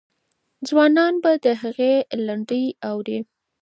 ځوانان به د هغې لنډۍ اوري.